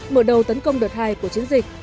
mở đầu tấn công đợt hai của chiến dịch